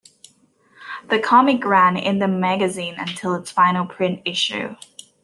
The comic ran in the magazine until its final print issue.